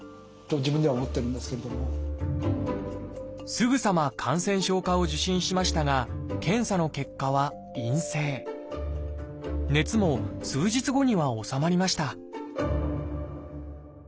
すぐさま感染症科を受診しましたが検査の結果は熱も数日後には治まりました